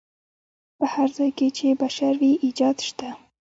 په هر ځای کې چې بشر وي ایجاد شته.